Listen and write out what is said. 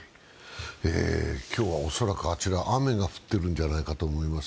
今日は恐らくあちら、雨が降ってるのではないかと思います。